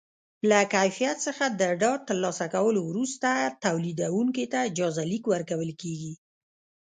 له کیفیت څخه د ډاډ ترلاسه کولو وروسته تولیدوونکي ته اجازه لیک ورکول کېږي.